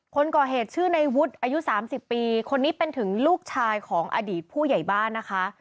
คนก่อเหตุชื่อในวุฒิอายุ๓๐ปีคนนี้เป็นถึงลูกชายของอดีตผู้ใหญ่บ้านนะคะ